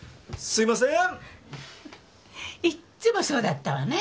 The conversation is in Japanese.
いっつもそうだったわね。